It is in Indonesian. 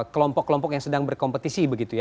kelompok kelompok yang sedang berkompetisi begitu ya